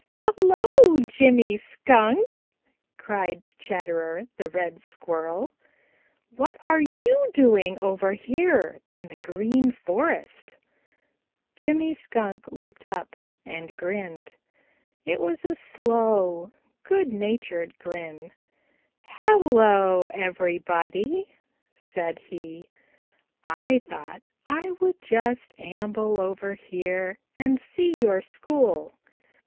"Hello, Jimmy Skunk," cried Chatterer the Red Squirrel. "What are you doing over here in the Green Forest?" Jimmy Skunk looked up and grinned. It was a slow, good natured grin. "Hello, everybody," said he. "I thought I would just amble over here and see your school.